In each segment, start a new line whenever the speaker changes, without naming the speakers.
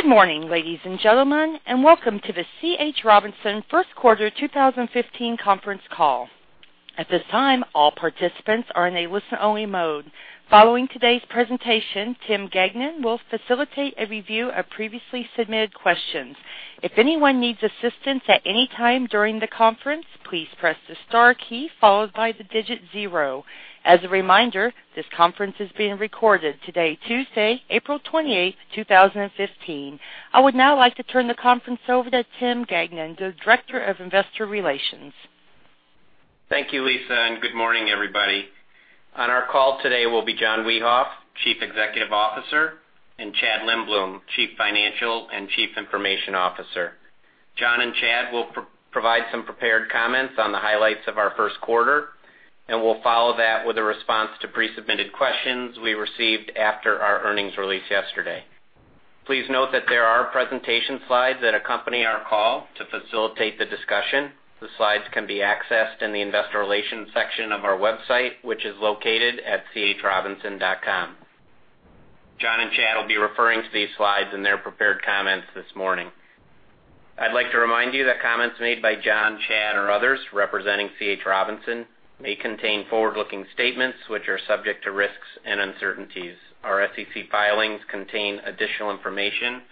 Good morning, ladies and gentlemen, and welcome to the C.H. Robinson first quarter 2015 conference call. At this time, all participants are in a listen-only mode. Following today's presentation, Tim Gagnon will facilitate a review of previously submitted questions. If anyone needs assistance at any time during the conference, please press the star key followed by the digit zero. As a reminder, this conference is being recorded today, Tuesday, April 28, 2015. I would now like to turn the conference over to Tim Gagnon, the Director of Investor Relations.
Thank you, Lisa. Good morning, everybody. On our call today will be John Wiehoff, Chief Executive Officer, and Chad Lindblom, Chief Financial and Chief Information Officer. John and Chad will provide some prepared comments on the highlights of our first quarter. We'll follow that with a response to pre-submitted questions we received after our earnings release yesterday. Please note that there are presentation slides that accompany our call to facilitate the discussion. The slides can be accessed in the investor relations section of our website, which is located at chrobinson.com. John and Chad will be referring to these slides in their prepared comments this morning. I'd like to remind you that comments made by John, Chad, or others representing C.H. Robinson may contain forward-looking statements which are subject to risks and uncertainties. Our SEC filings contain additional information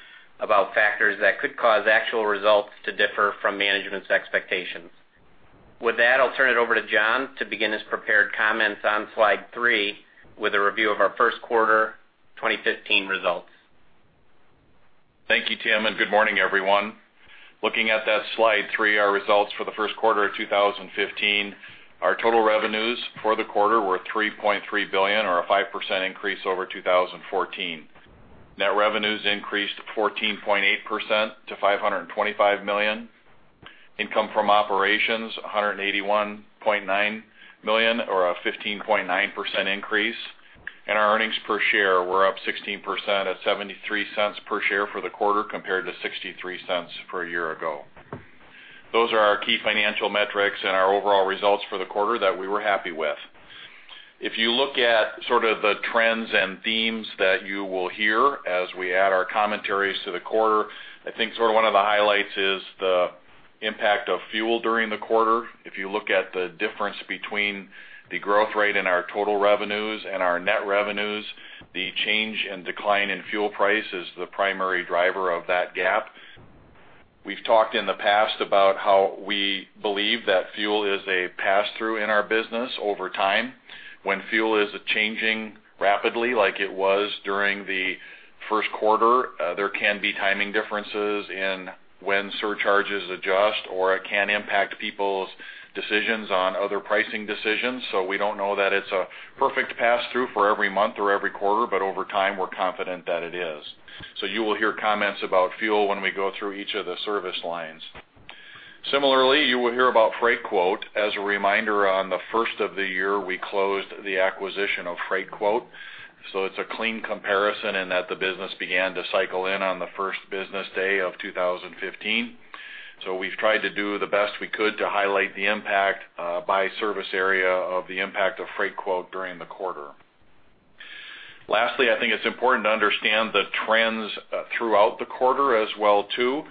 about factors that could cause actual results to differ from management's expectations. With that, I'll turn it over to John to begin his prepared comments on slide three with a review of our first quarter 2015 results.
Thank you, Tim. Good morning, everyone. Looking at that slide three, our results for the first quarter of 2015, our total revenues for the quarter were $3.3 billion or a 5% increase over 2014. Net revenues increased 14.8% to $525 million. Income from operations, $181.9 million or a 15.9% increase. Our earnings per share were up 16% at $0.73 per share for the quarter compared to $0.63 per year ago. Those are our key financial metrics and our overall results for the quarter that we were happy with. If you look at sort of the trends and themes that you will hear as we add our commentaries to the quarter, I think sort of one of the highlights is the impact of fuel during the quarter. If you look at the difference between the growth rate and our total revenues and our net revenues, the change in decline in fuel price is the primary driver of that gap. We've talked in the past about how we believe that fuel is a pass-through in our business over time. When fuel is changing rapidly like it was during the first quarter, there can be timing differences in when surcharges adjust, or it can impact people's decisions on other pricing decisions. We don't know that it's a perfect pass-through for every month or every quarter, but over time, we're confident that it is. You will hear comments about fuel when we go through each of the service lines. Similarly, you will hear about Freightquote. As a reminder, on the first of the year, we closed the acquisition of Freightquote, it's a clean comparison and that the business began to cycle in on the first business day of 2015. We've tried to do the best we could to highlight the impact by service area of the impact of Freightquote during the quarter. Lastly, I think it's important to understand the trends throughout the quarter as well too.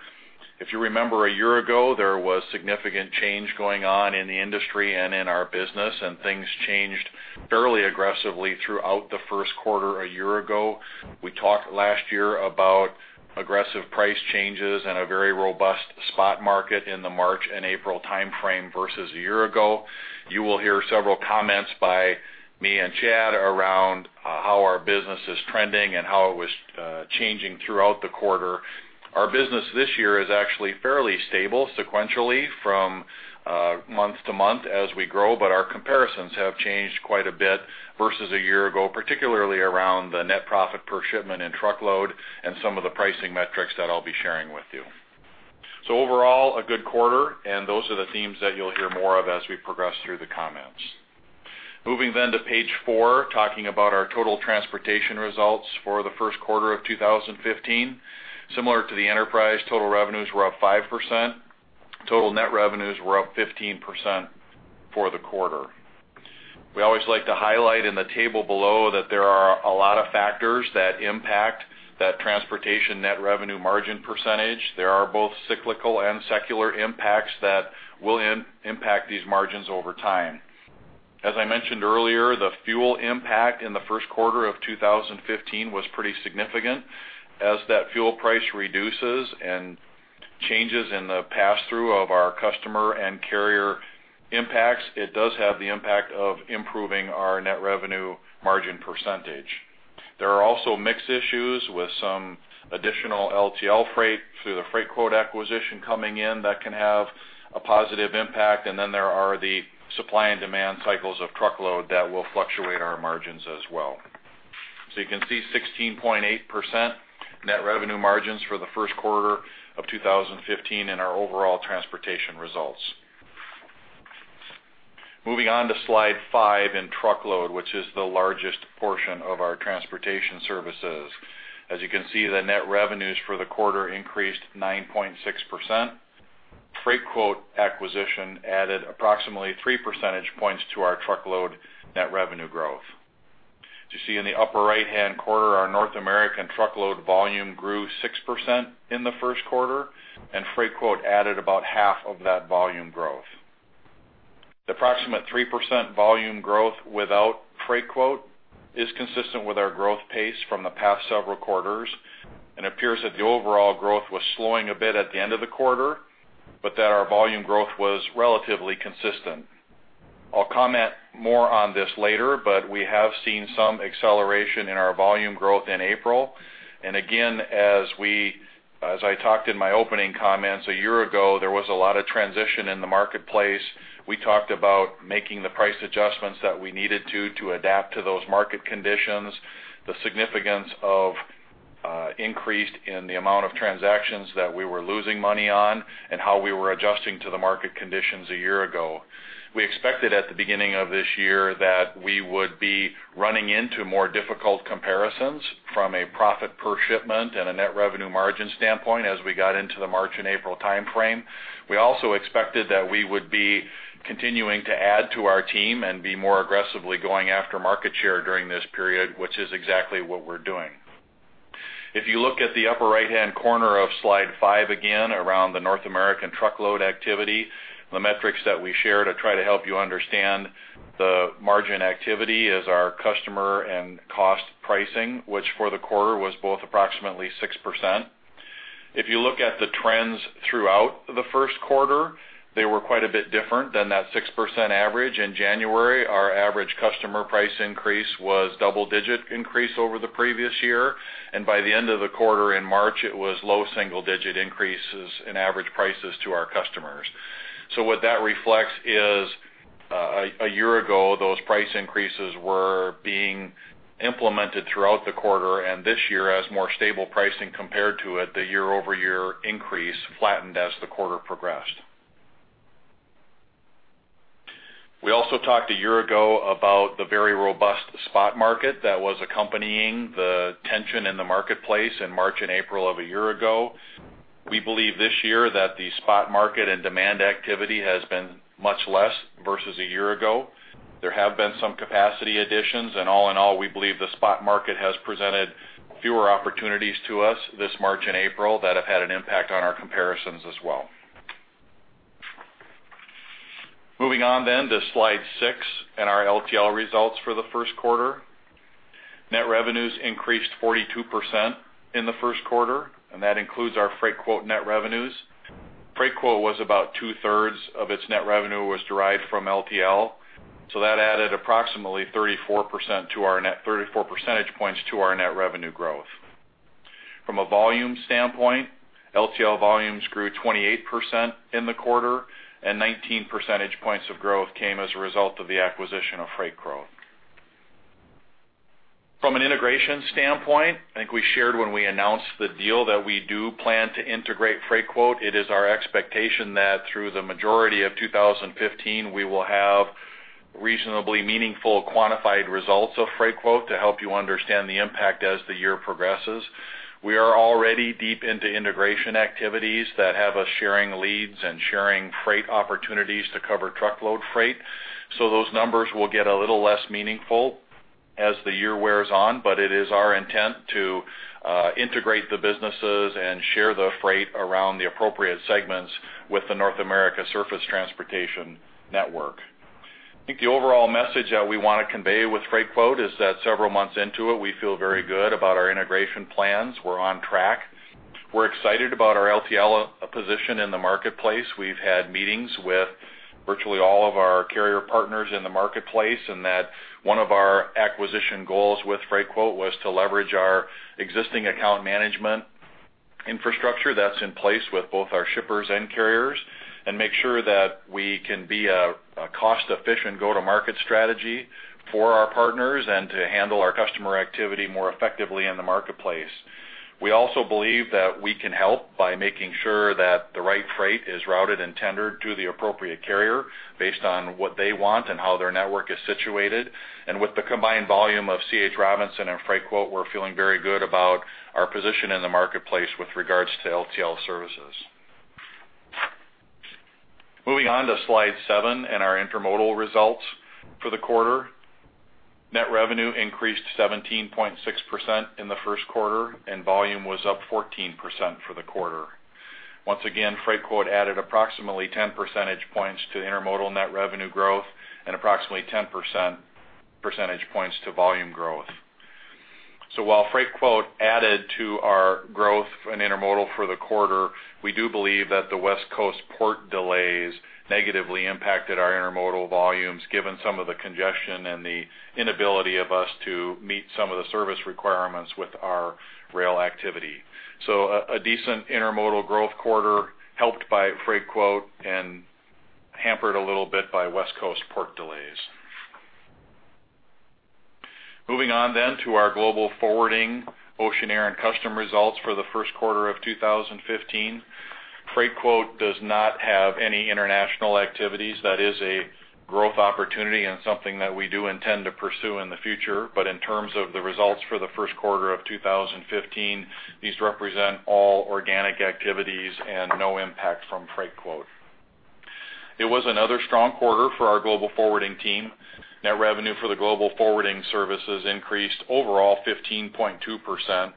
If you remember a year ago, there was significant change going on in the industry and in our business, and things changed fairly aggressively throughout the first quarter a year ago. We talked last year about aggressive price changes and a very robust spot market in the March and April timeframe versus a year ago. You will hear several comments by me and Chad around how our business is trending and how it was changing throughout the quarter. Our business this year is actually fairly stable sequentially from month to month as we grow, but our comparisons have changed quite a bit versus a year ago, particularly around the net revenue per shipment and truckload and some of the pricing metrics that I'll be sharing with you. Overall, a good quarter, and those are the themes that you'll hear more of as we progress through the comments. Moving to page four, talking about our total transportation results for the first quarter of 2015. Similar to the enterprise, total revenues were up 5%. Total net revenues were up 15% for the quarter. We always like to highlight in the table below that there are a lot of factors that impact that transportation net revenue margin percentage. There are both cyclical and secular impacts that will impact these margins over time. As I mentioned earlier, the fuel impact in the first quarter of 2015 was pretty significant. As that fuel price reduces and changes in the pass-through of our customer and carrier impacts, it does have the impact of improving our net revenue margin percentage. There are also mix issues with some additional LTL freight through the Freightquote acquisition coming in that can have a positive impact. There are the supply and demand cycles of truckload that will fluctuate our margins as well. You can see 16.8% net revenue margins for the first quarter of 2015 in our overall transportation results. Moving on to slide five in truckload, which is the largest portion of our transportation services. As you can see, the net revenues for the quarter increased 9.6%. Freightquote acquisition added approximately three percentage points to our truckload net revenue growth. As you see in the upper right-hand corner, our North American truckload volume grew 6% in the first quarter, and Freightquote added about half of that volume growth. The approximate 3% volume growth without Freightquote is consistent with our growth pace from the past several quarters, and appears that the overall growth was slowing a bit at the end of the quarter, but that our volume growth was relatively consistent. I'll comment more on this later, but we have seen some acceleration in our volume growth in April. Again, as I talked in my opening comments, a year ago, there was a lot of transition in the marketplace. We talked about making the price adjustments that we needed to adapt to those market conditions, the significance of increase in the amount of transactions that we were losing money on, and how we were adjusting to the market conditions a year ago. We expected at the beginning of this year that we would be running into more difficult comparisons from a profit per shipment and a net revenue margin standpoint as we got into the March and April timeframe. We also expected that we would be continuing to add to our team and be more aggressively going after market share during this period, which is exactly what we're doing. If you look at the upper right-hand corner of Slide five again, around the North American truckload activity, the metrics that we share to try to help you understand the margin activity is our customer and cost pricing, which for the quarter was both approximately 6%. If you look at the trends throughout the first quarter, they were quite a bit different than that 6% average. In January, our average customer price increase was double-digit increase over the previous year, and by the end of the quarter in March, it was low single-digit increases in average prices to our customers. What that reflects is, a year ago, those price increases were being implemented throughout the quarter, and this year, as more stable pricing compared to it, the year-over-year increase flattened as the quarter progressed. We also talked a year ago about the very robust spot market that was accompanying the tension in the marketplace in March and April of a year ago. We believe this year that the spot market and demand activity has been much less versus a year ago. There have been some capacity additions, and all in all, we believe the spot market has presented fewer opportunities to us this March and April that have had an impact on our comparisons as well. Moving on then to Slide six and our LTL results for the first quarter. Net revenues increased 42% in the first quarter, and that includes our Freightquote net revenues. Freightquote was about two-thirds of its net revenue was derived from LTL, so that added approximately 34 percentage points to our net revenue growth. From a volume standpoint, LTL volumes grew 28% in the quarter, 19 percentage points of growth came as a result of the acquisition of Freightquote. From an integration standpoint, I think we shared when we announced the deal that we do plan to integrate Freightquote. It is our expectation that through the majority of 2015, we will have reasonably meaningful quantified results of Freightquote to help you understand the impact as the year progresses. We are already deep into integration activities that have us sharing leads and sharing freight opportunities to cover truckload freight. Those numbers will get a little less meaningful as the year wears on, but it is our intent to integrate the businesses and share the freight around the appropriate segments with the North America surface transportation network. I think the overall message that we want to convey with Freightquote is that several months into it, we feel very good about our integration plans. We're on track. We're excited about our LTL position in the marketplace. We've had meetings with virtually all of our carrier partners in the marketplace, that one of our acquisition goals with Freightquote was to leverage our existing account management infrastructure that's in place with both our shippers and carriers, and make sure that we can be a cost-efficient go-to-market strategy for our partners and to handle our customer activity more effectively in the marketplace. We also believe that we can help by making sure that the right freight is routed and tendered to the appropriate carrier based on what they want and how their network is situated. With the combined volume of C.H. Robinson and Freightquote, we're feeling very good about our position in the marketplace with regards to LTL services. Moving on to Slide 7 and our intermodal results for the quarter. Net revenue increased 17.6% in the first quarter, volume was up 14% for the quarter. Once again, Freightquote added approximately 10 percentage points to intermodal net revenue growth and approximately 10 percentage points to volume growth. While Freightquote added to our growth in intermodal for the quarter, we do believe that the West Coast port delays negatively impacted our intermodal volumes, given some of the congestion and the inability of us to meet some of the service requirements with our rail activity. A decent intermodal growth quarter helped by Freightquote and hampered a little bit by West Coast port delays. Moving on to our Global Forwarding, Ocean, Air and Customs results for the first quarter of 2015. Freightquote does not have any international activities. That is a growth opportunity and something that we do intend to pursue in the future. In terms of the results for the first quarter of 2015, these represent all organic activities and no impact from Freightquote. It was another strong quarter for our global forwarding team. Net revenue for the global forwarding services increased overall 15.2%,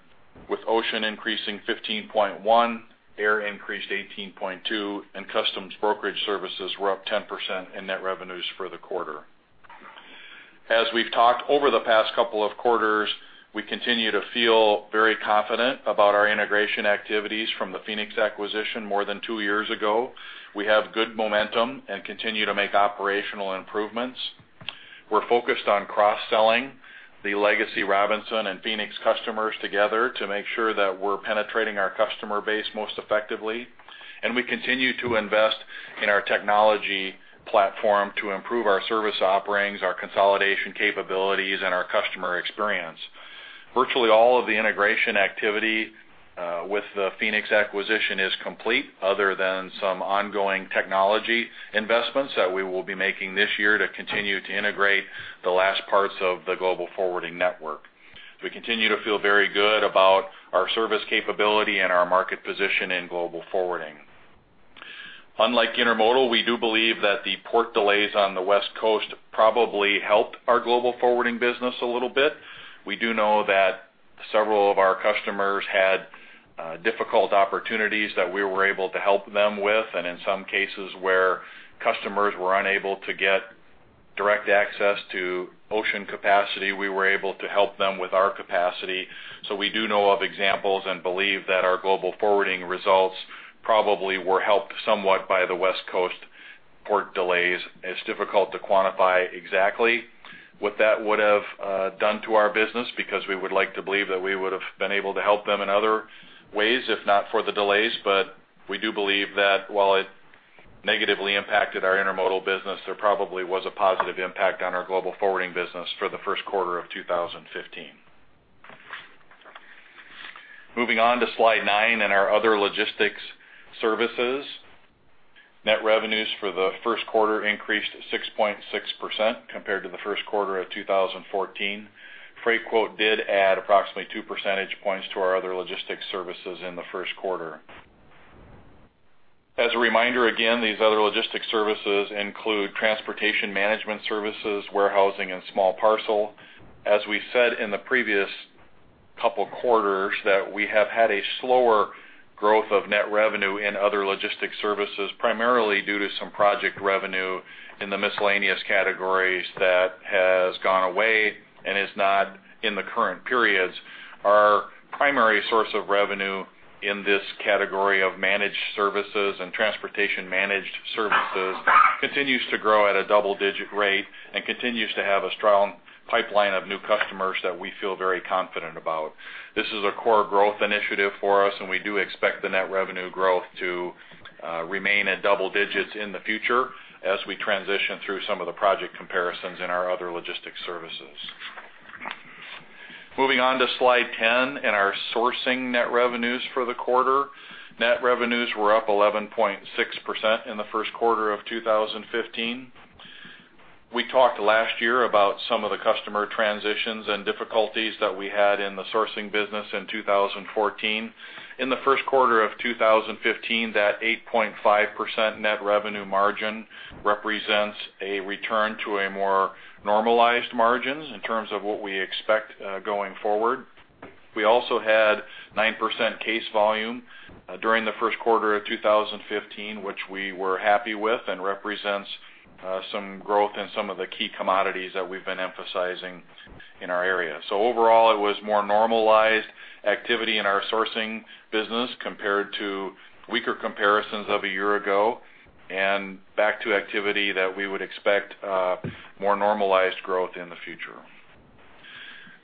with ocean increasing 15.1%, air increased 18.2%, and customs brokerage services were up 10% in net revenues for the quarter. As we've talked over the past couple of quarters, we continue to feel very confident about our integration activities from the Phoenix acquisition more than two years ago. We have good momentum and continue to make operational improvements. We're focused on cross-selling the legacy Robinson and Phoenix customers together to make sure that we're penetrating our customer base most effectively. We continue to invest in our technology platform to improve our service offerings, our consolidation capabilities, and our customer experience. Virtually all of the integration activity with the Phoenix acquisition is complete, other than some ongoing technology investments that we will be making this year to continue to integrate the last parts of the global forwarding network. We continue to feel very good about our service capability and our market position in global forwarding. Unlike intermodal, we do believe that the port delays on the West Coast probably helped our global forwarding business a little bit. We do know that several of our customers had difficult opportunities that we were able to help them with. In some cases where customers were unable to get direct access to ocean capacity, we were able to help them with our capacity. We do know of examples and believe that our global forwarding results probably were helped somewhat by the West Coast port delays. It's difficult to quantify exactly what that would have done to our business, because we would like to believe that we would've been able to help them in other ways, if not for the delays. We do believe that while it negatively impacted our intermodal business, there probably was a positive impact on our global forwarding business for the first quarter of 2015. Moving on to Slide 9 and our other logistics services. Net revenues for the first quarter increased 6.6% compared to the first quarter of 2014. Freightquote did add approximately two percentage points to our other logistics services in the first quarter. As a reminder, again, these other logistics services include transportation management services, warehousing, and small parcel. As we said in the previous couple of quarters, that we have had a slower growth of net revenue in other logistics services, primarily due to some project revenue in the miscellaneous categories that has gone away and is not in the current periods. Our primary source of revenue in this category of managed services and transportation managed services continues to grow at a double-digit rate and continues to have a strong pipeline of new customers that we feel very confident about. This is a core growth initiative for us, we do expect the net revenue growth to remain at double digits in the future as we transition through some of the project comparisons in our other logistics services. Moving on to Slide 10 and our sourcing net revenues for the quarter. Net revenues were up 11.6% in the first quarter of 2015. We talked last year about some of the customer transitions and difficulties that we had in the sourcing business in 2014. In the first quarter of 2015, that 8.5% net revenue margin represents a return to a more normalized margin in terms of what we expect going forward. We also had 9% case volume during the first quarter of 2015, which we were happy with and represents some growth in some of the key commodities that we've been emphasizing in our area. overall, it was more normalized activity in our sourcing business compared to weaker comparisons of a year ago, and back to activity that we would expect more normalized growth in the future.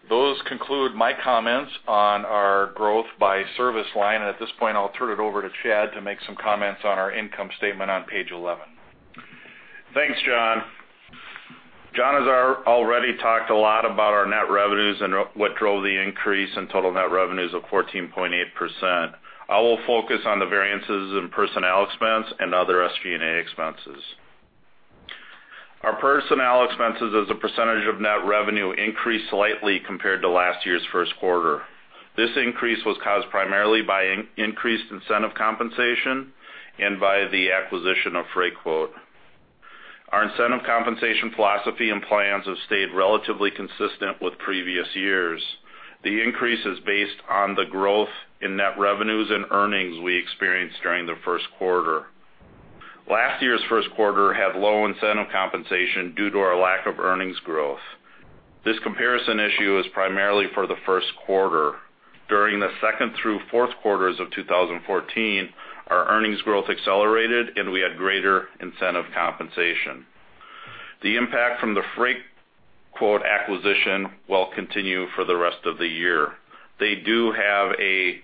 Those conclude my comments on our growth by service line. At this point, I'll turn it over to Chad to make some comments on our income statement on page 11.
Thanks, John. John has already talked a lot about our net revenues and what drove the increase in total net revenues of 14.8%. I will focus on the variances in personnel expense and other SG&A expenses. Our personnel expenses as a percentage of net revenue increased slightly compared to last year's first quarter. This increase was caused primarily by increased incentive compensation and by the acquisition of Freightquote. Our incentive compensation philosophy and plans have stayed relatively consistent with previous years. The increase is based on the growth in net revenues and earnings we experienced during the first quarter. Last year's first quarter had low incentive compensation due to our lack of earnings growth. This comparison issue is primarily for the first quarter. During the second through fourth quarters of 2014, our earnings growth accelerated, and we had greater incentive compensation. The impact from the Freightquote acquisition will continue for the rest of the year. They do have a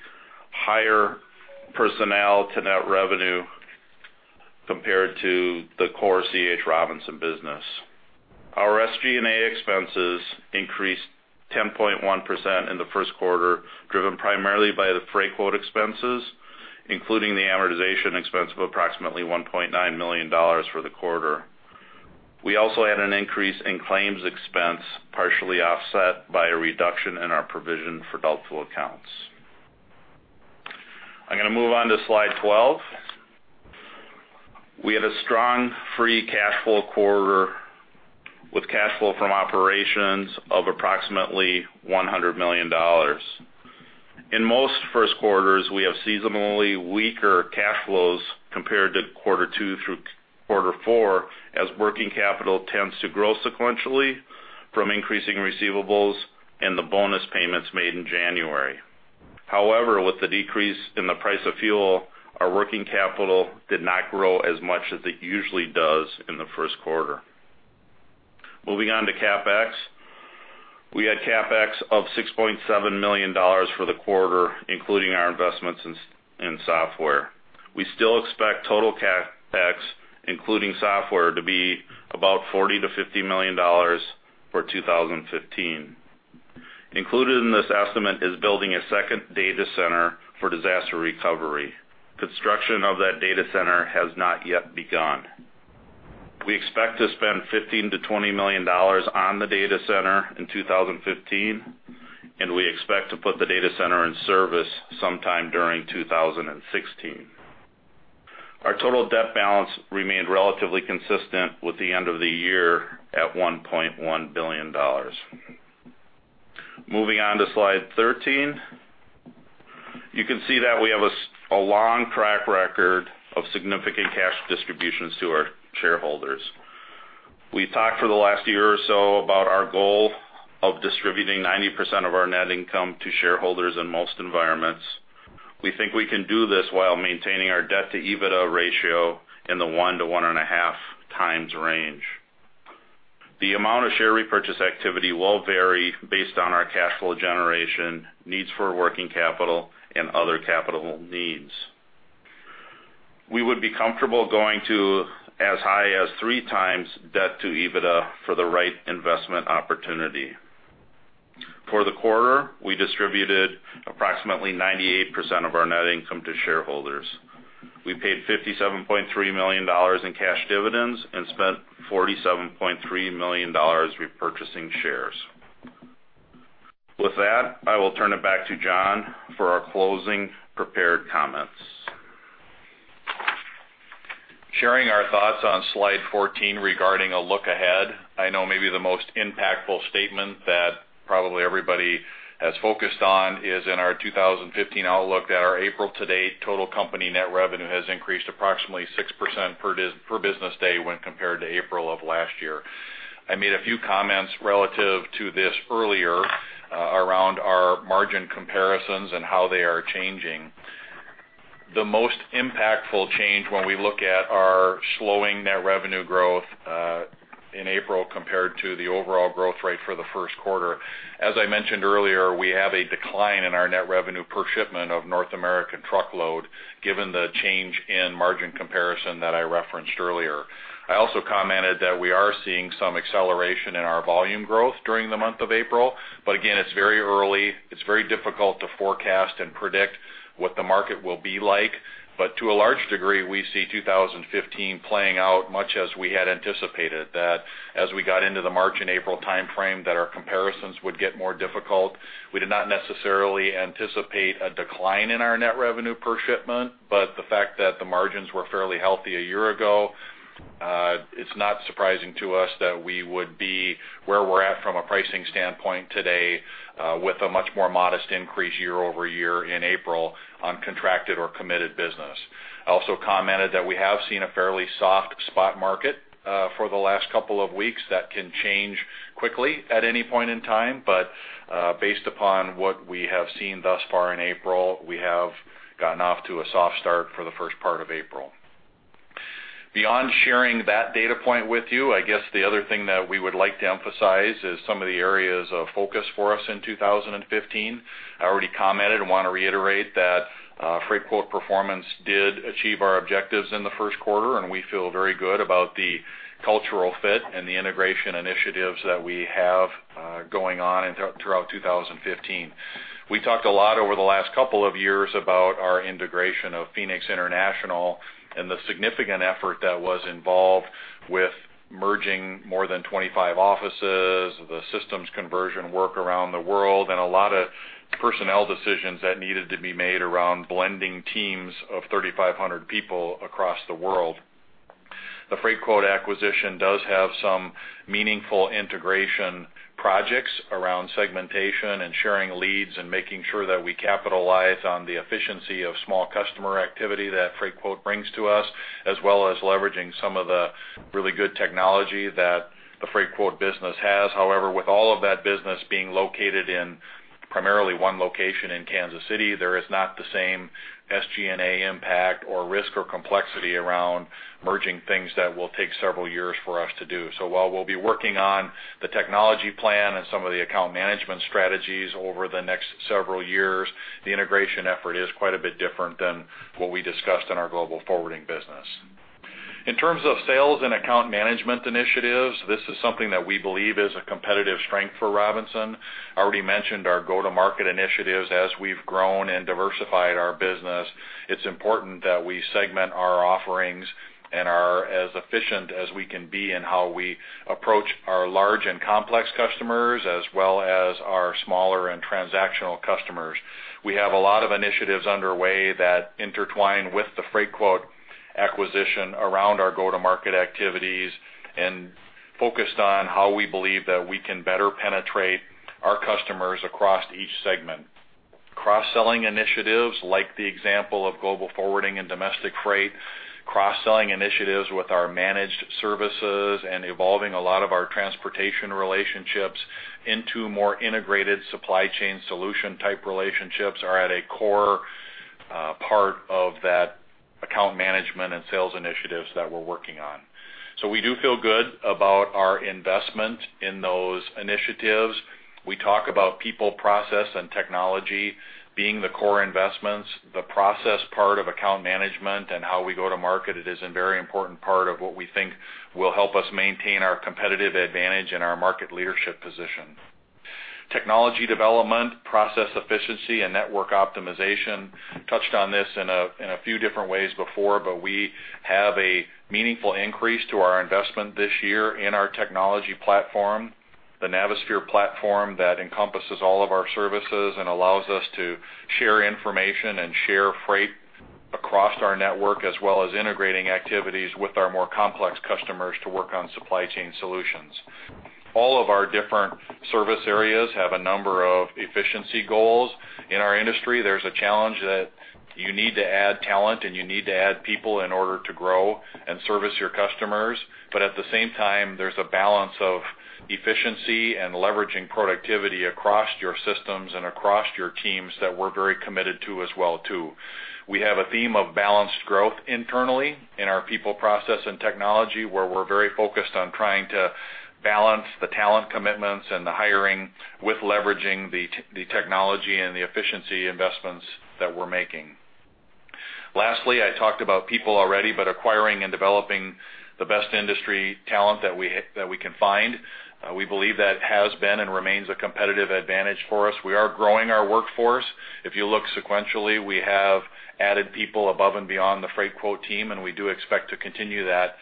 higher personnel to net revenue compared to the core C.H. Robinson business. Our SG&A expenses increased 10.1% in the first quarter, driven primarily by the Freightquote expenses, including the amortization expense of approximately $1.9 million for the quarter. We also had an increase in claims expense, partially offset by a reduction in our provision for doubtful accounts. I'm going on to move on to slide 12. We had a strong free cash flow quarter with cash flow from operations of approximately $100 million. In most first quarters, we have seasonally weaker cash flows compared to quarter two through quarter four, as working capital tends to grow sequentially from increasing receivables and the bonus payments made in January. However, with the decrease in the price of fuel, our working capital did not grow as much as it usually does in the first quarter. Moving on to CapEx. We had CapEx of $6.7 million for the quarter, including our investments in software. We still expect total CapEx, including software, to be about $40 million-$50 million for 2015. Included in this estimate is building a second data center for disaster recovery. Construction of that data center has not yet begun. We expect to spend $15 million-$20 million on the data center in 2015, and we expect to put the data center in service sometime during 2016. Our total debt balance remained relatively consistent with the end of the year at $1.1 billion. Moving on to slide 13. You can see that we have a long track record of significant cash distributions to our shareholders. We talked for the last year or so about our goal of distributing 90% of our net income to shareholders in most environments. We think we can do this while maintaining our debt-to-EBITDA ratio in the one to one and a half times range. The amount of share repurchase activity will vary based on our cash flow generation, needs for working capital, and other capital needs. We would be comfortable going to as high as three times debt to EBITDA for the right investment opportunity. For the quarter, we distributed approximately 98% of our net income to shareholders. We paid $57.3 million in cash dividends and spent $47.3 million repurchasing shares. With that, I will turn it back to John for our closing prepared comments.
Sharing our thoughts on Slide 14 regarding a look ahead. I know maybe the most impactful statement that probably everybody has focused on is in our 2015 outlook that our April-to-date total company net revenue has increased approximately 6% per business day when compared to April of last year. I made a few comments relative to this earlier around our margin comparisons and how they are changing. The most impactful change when we look at our slowing net revenue growth in April compared to the overall growth rate for the first quarter, as I mentioned earlier, we have a decline in our net revenue per shipment of North American truckload, given the change in margin comparison that I referenced earlier. I also commented that we are seeing some acceleration in our volume growth during the month of April. Again, it's very early. It's very difficult to forecast and predict what the market will be like. To a large degree, we see 2015 playing out much as we had anticipated, that as we got into the March and April timeframe, that our comparisons would get more difficult. We did not necessarily anticipate a decline in our net revenue per shipment, but the fact that the margins were fairly healthy a year ago, it's not surprising to us that we would be where we're at from a pricing standpoint today with a much more modest increase year-over-year in April on contracted or committed business. I also commented that we have seen a fairly soft spot market for the last couple of weeks. That can change quickly at any point in time, based upon what we have seen thus far in April, we have gotten off to a soft start for the first part of April. Beyond sharing that data point with you, I guess the other thing that we would like to emphasize is some of the areas of focus for us in 2015. I already commented and want to reiterate that Freightquote performance did achieve our objectives in the first quarter, and we feel very good about the cultural fit and the integration initiatives that we have going on throughout 2015. We talked a lot over the last couple of years about our integration of Phoenix International and the significant effort that was involved with merging more than 25 offices, the systems conversion work around the world, and a lot of personnel decisions that needed to be made around blending teams of 3,500 people across the world. The Freightquote acquisition does have some meaningful integration projects around segmentation and sharing leads and making sure that we capitalize on the efficiency of small customer activity that Freightquote brings to us, as well as leveraging some of the really good technology that the Freightquote business has. With all of that business being located in primarily one location in Kansas City, there is not the same SG&A impact or risk or complexity around merging things that will take several years for us to do. While we'll be working on the technology plan and some of the account management strategies over the next several years, the integration effort is quite a bit different than what we discussed in our global forwarding business. In terms of sales and account management initiatives, this is something that we believe is a competitive strength for Robinson. I already mentioned our go-to-market initiatives. As we've grown and diversified our business, it's important that we segment our offerings and are as efficient as we can be in how we approach our large and complex customers, as well as our smaller and transactional customers. We have a lot of initiatives underway that intertwine with the Freightquote acquisition around our go-to-market activities and focused on how we believe that we can better penetrate our customers across each segment. Cross-selling initiatives like the example of global forwarding and domestic freight, cross-selling initiatives with our managed services, and evolving a lot of our transportation relationships into more integrated supply chain solution type relationships are at a core part of that account management and sales initiatives that we're working on. We do feel good about our investment in those initiatives. We talk about people, process, and technology being the core investments. The process part of account management and how we go to market, it is a very important part of what we think will help us maintain our competitive advantage and our market leadership position. Technology development, process efficiency, and network optimization. Touched on this in a few different ways before, we have a meaningful increase to our investment this year in our technology platform, the Navisphere platform that encompasses all of our services and allows us to share information and share freight across our network, as well as integrating activities with our more complex customers to work on supply chain solutions. All of our different service areas have a number of efficiency goals. In our industry, there's a challenge that you need to add talent and you need to add people in order to grow and service your customers. At the same time, there's a balance of efficiency and leveraging productivity across your systems and across your teams that we're very committed to as well, too. We have a theme of balanced growth internally in our people, process, and technology, where we're very focused on trying to balance the talent commitments and the hiring with leveraging the technology and the efficiency investments that we're making. Lastly, I talked about people already, but acquiring and developing the best industry talent that we can find. We believe that has been and remains a competitive advantage for us. We are growing our workforce. If you look sequentially, we have added people above and beyond the Freightquote team, and we do expect to continue that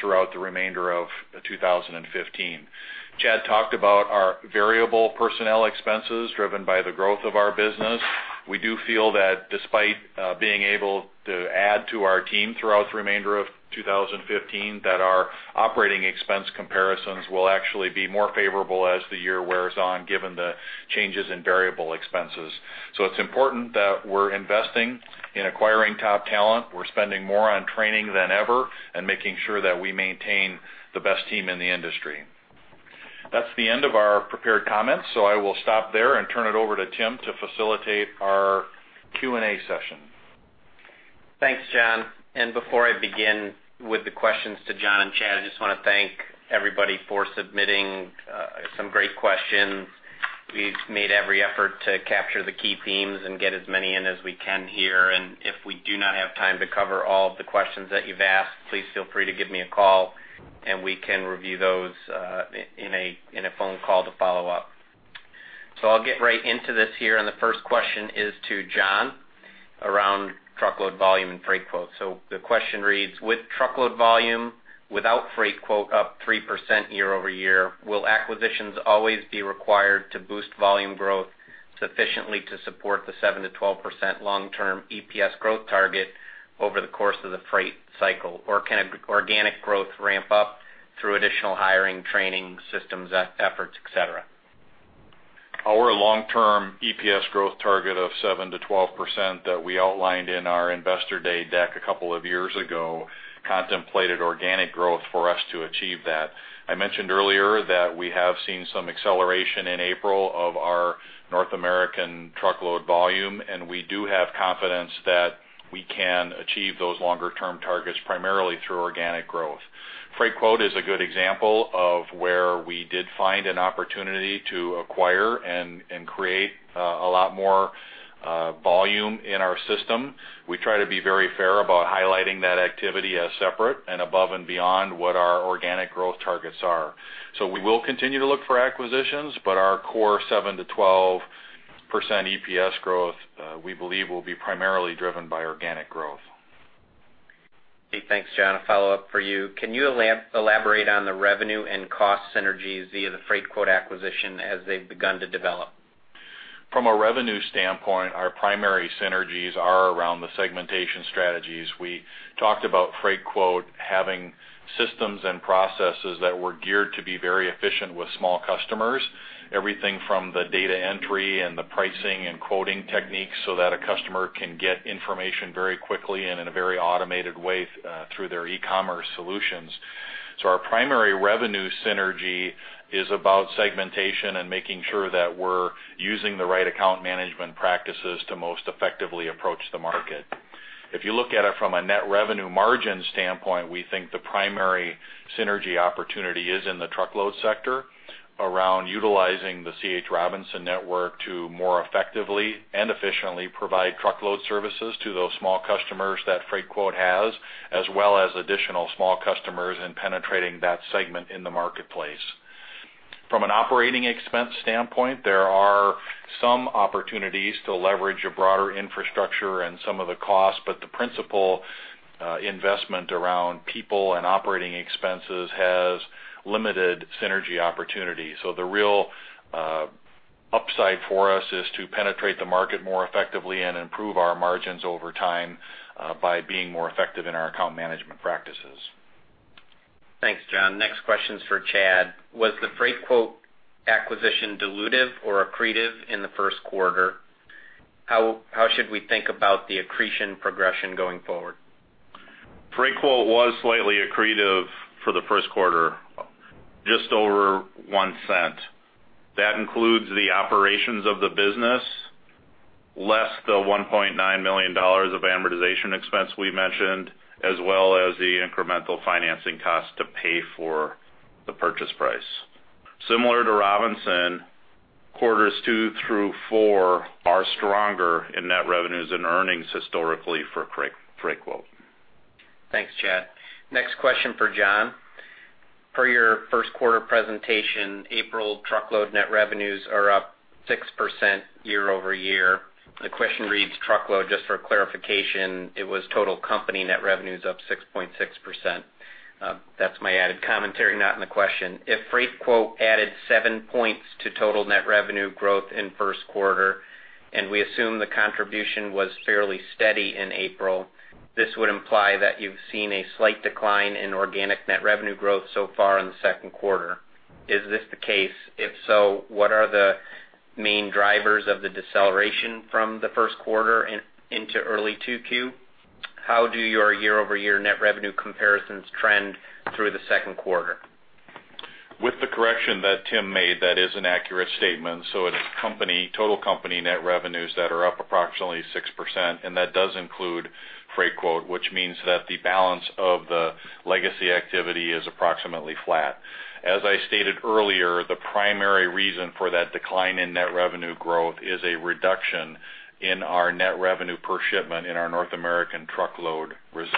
throughout the remainder of 2015. Chad Lindblom talked about our variable personnel expenses driven by the growth of our business. We do feel that despite being able to add to our team throughout the remainder of 2015, that our operating expense comparisons will actually be more favorable as the year wears on, given the changes in variable expenses. It's important that we're investing in acquiring top talent. We're spending more on training than ever and making sure that we maintain the best team in the industry. That's the end of our prepared comments, I will stop there and turn it over to Tim to facilitate our Q&A session.
Thanks, John. Before I begin with the questions to John and Chad, I just want to thank everybody for submitting some great questions. We've made every effort to capture the key themes and get as many in as we can here. If we do not have time to cover all of the questions that you've asked, please feel free to give me a call, and we can review those in a phone call to follow up. I'll get right into this here, and the first question is to John around truckload volume and Freightquote.com. The question reads, with truckload volume without Freightquote.com up 3% year-over-year, will acquisitions always be required to boost volume growth sufficiently to support the 7%-12% long-term EPS growth target over the course of the freight cycle? Can organic growth ramp up through additional hiring, training, systems efforts, et cetera?
Our long-term EPS growth target of 7%-12% that we outlined in our investor day deck a couple of years ago contemplated organic growth for us to achieve that. I mentioned earlier that we have seen some acceleration in April of our North American truckload volume. We do have confidence that we can achieve those longer-term targets primarily through organic growth. Freightquote.com is a good example of where we did find an opportunity to acquire and create a lot more volume in our system. We try to be very fair about highlighting that activity as separate and above and beyond what our organic growth targets are. We will continue to look for acquisitions, but our core 7%-12% EPS growth, we believe, will be primarily driven by organic growth.
Okay. Thanks, John. A follow-up for you. Can you elaborate on the revenue and cost synergies via the Freightquote.com acquisition as they've begun to develop?
From a revenue standpoint, our primary synergies are around the segmentation strategies. We talked about Freightquote having systems and processes that were geared to be very efficient with small customers. Everything from the data entry and the pricing and quoting techniques so that a customer can get information very quickly and in a very automated way through their e-commerce solutions. Our primary revenue synergy is about segmentation and making sure that we're using the right account management practices to most effectively approach the market. If you look at it from a net revenue margin standpoint, we think the primary synergy opportunity is in the truckload sector around utilizing the C.H. Robinson network to more effectively and efficiently provide truckload services to those small customers that Freightquote has, as well as additional small customers and penetrating that segment in the marketplace. From an operating expense standpoint, there are some opportunities to leverage a broader infrastructure and some of the costs, but the principal investment around people and operating expenses has limited synergy opportunities. The real upside for us is to penetrate the market more effectively and improve our margins over time by being more effective in our account management practices.
Thanks, John. Next question's for Chad. Was the Freightquote.com acquisition dilutive or accretive in the first quarter? How should we think about the accretion progression going forward?
Freightquote.com was slightly accretive for the first quarter, just over $0.01. That includes the operations of the business, less the $1.9 million of amortization expense we mentioned, as well as the incremental financing cost to pay for the purchase price. Similar to Robinson, quarters two through four are stronger in net revenues and earnings historically for Freightquote.com.
Thanks, Chad. Next question for John. Per your first quarter presentation, April truckload net revenues are up 6% year-over-year. The question reads truckload, just for clarification, it was total company net revenues up 6.6%. That's my added commentary, not in the question. If Freightquote.com added seven points to total net revenue growth in first quarter, and we assume the contribution was fairly steady in April, this would imply that you've seen a slight decline in organic net revenue growth so far in the second quarter. Is this the case? If so, what are the main drivers of the deceleration from the first quarter into early 2Q? How do your year-over-year net revenue comparisons trend through the second quarter?
With the correction that Tim made, that is an accurate statement. It is total company net revenues that are up approximately 6%, and that does include Freightquote.com, which means that the balance of the legacy activity is approximately flat. As I stated earlier, the primary reason for that decline in net revenue growth is a reduction in our net revenue per shipment in our North American truckload results.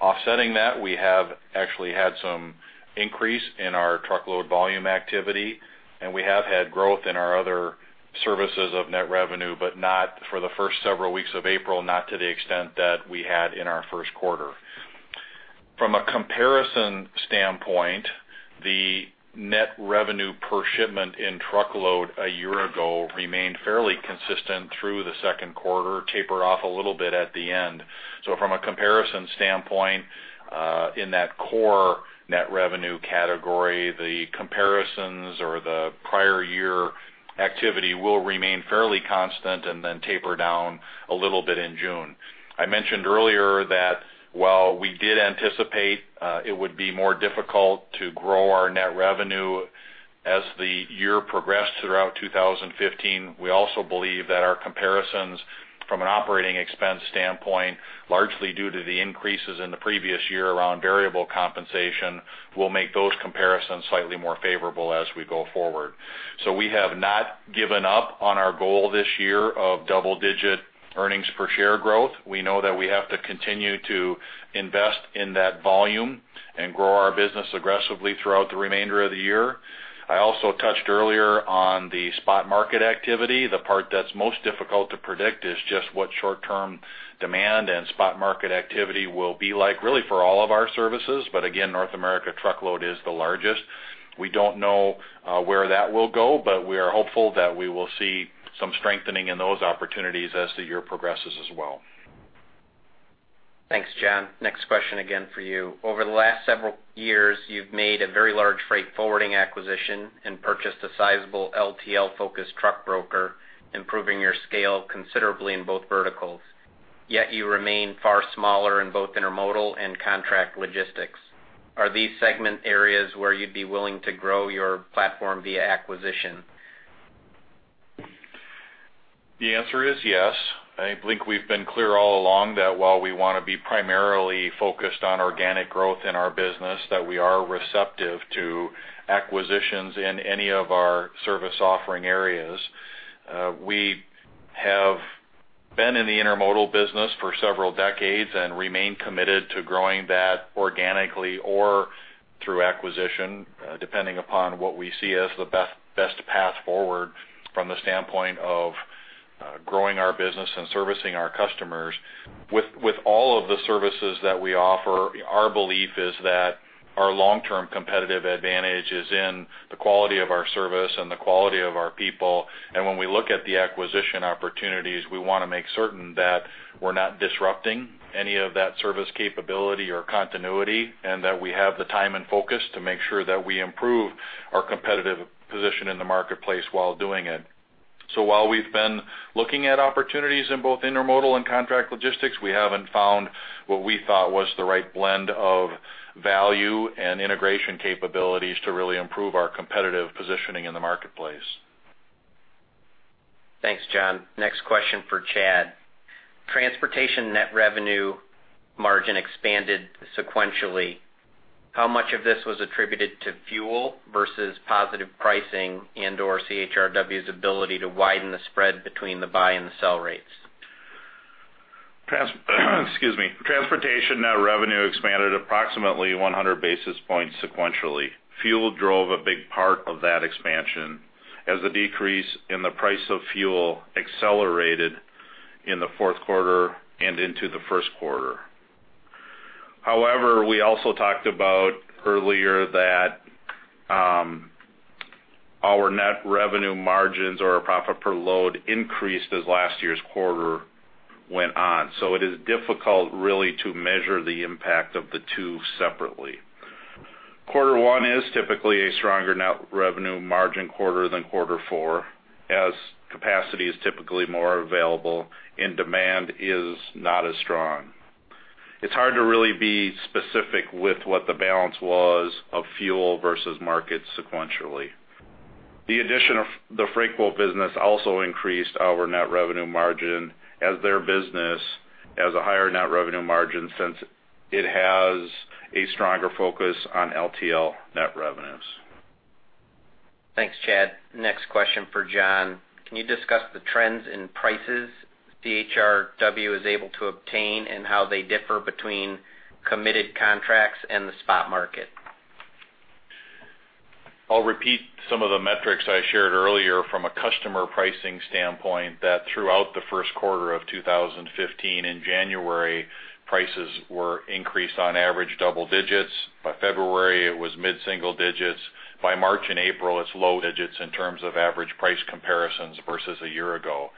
Offsetting that, we have actually had some increase in our truckload volume activity, and we have had growth in our other services of net revenue, but for the first several weeks of April, not to the extent that we had in our first quarter. From a comparison standpoint, the net revenue per shipment in truckload a year ago remained fairly consistent through the second quarter, taper off a little bit at the end. From a comparison standpoint, in that core net revenue category, the comparisons or the prior year activity will remain fairly constant and then taper down a little bit in June. I mentioned earlier that while we did anticipate it would be more difficult to grow our net revenue as the year progressed throughout 2015, we also believe that our comparisons from an operating expense standpoint, largely due to the increases in the previous year around variable compensation, will make those comparisons slightly more favorable as we go forward. We have not given up on our goal this year of double-digit earnings per share growth. We know that we have to continue to invest in that volume and grow our business aggressively throughout the remainder of the year. I also touched earlier on the spot market activity. The part that's most difficult to predict is just what short-term demand and spot market activity will be like, really for all of our services. Again, North America truckload is the largest. We don't know where that will go, but we are hopeful that we will see some strengthening in those opportunities as the year progresses as well.
Thanks, John. Next question again for you. Over the last several years, you've made a very large freight forwarding acquisition and purchased a sizable LTL-focused truck broker, improving your scale considerably in both verticals. Yet you remain far smaller in both intermodal and contract logistics. Are these segment areas where you'd be willing to grow your platform via acquisition?
The answer is yes. I believe we've been clear all along that while we want to be primarily focused on organic growth in our business, that we are receptive to acquisitions in any of our service offering areas. We have been in the intermodal business for several decades and remain committed to growing that organically or through acquisition, depending upon what we see as the best path forward from the standpoint of growing our business and servicing our customers. With all of the services that we offer, our belief is that our long-term competitive advantage is in the quality of our service and the quality of our people. When we look at the acquisition opportunities, we want to make certain that we're not disrupting any of that service capability or continuity, and that we have the time and focus to make sure that we improve our competitive position in the marketplace while doing it. While we've been looking at opportunities in both intermodal and contract logistics, we haven't found what we thought was the right blend of value and integration capabilities to really improve our competitive positioning in the marketplace.
Thanks, John. Next question for Chad. Transportation net revenue margin expanded sequentially. How much of this was attributed to fuel versus positive pricing and/or CHRW's ability to widen the spread between the buy and the sell rates?
Excuse me. Transportation net revenue expanded approximately 100 basis points sequentially. Fuel drove a big part of that expansion as the decrease in the price of fuel accelerated in the fourth quarter and into the first quarter. However, we also talked about earlier that our net revenue margins or our profit per load increased as last year's quarter went on. It is difficult, really, to measure the impact of the two separately. Quarter one is typically a stronger net revenue margin quarter than quarter four, as capacity is typically more available and demand is not as strong. It's hard to really be specific with what the balance was of fuel versus market sequentially. The addition of the Freightquote.com business also increased our net revenue margin as their business has a higher net revenue margin since it has a stronger focus on LTL net revenues.
Thanks, Chad. Next question for John. Can you discuss the trends in prices CHRW was able to obtain, and how they differ between committed contracts and the spot market?
I'll repeat some of the metrics I shared earlier from a customer pricing standpoint, that throughout Q1 2015, in January, prices were increased on average double digits. By February, it was mid-single digits. By March and April, it's low digits in terms of average price comparisons versus a year ago.